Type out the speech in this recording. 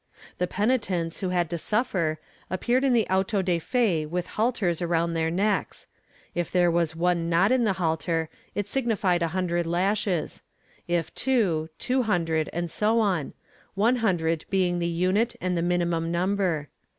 The penitents who had to suffer appeared in the auto de fe with halters around their necks; if there was one knot in the halter, it signified a hundred lashes, if two, two hundred and so on, one hundred being the unit and the minimum number.